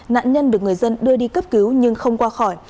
nạn nhân được người dân đưa đi cấp cứu nhưng không qua khỏi